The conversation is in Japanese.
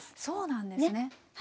そうなんですね。